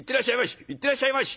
「行ってらっしゃいまし」。